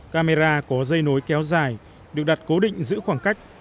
camera có dây nối kéo dài được đặt cố định giữ khoảng cách